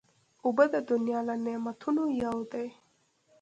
اوبه د دنیا له نعمتونو یو دی.